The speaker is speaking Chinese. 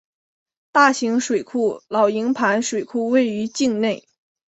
大型水库老营盘水库位于境内。